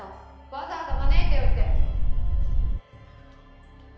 わざわざ招いておいて。